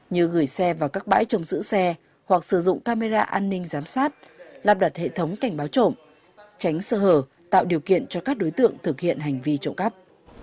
như gửi xe vào các bãi trồng giữ xe hoặc sử dụng camera an ninh giám sát lắp đặt hệ thống cảnh báo trộm tránh sơ hở tạo điều kiện cho các đối tượng thực hiện hành vi trộm cắp